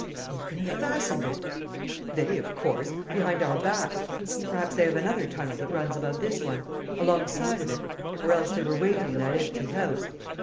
"Who can have fastened it?" "They, of course! Behind our backs! ... Perhaps they have another tunnel that runs above this one, alongside of it ... or else they were waiting in that empty house.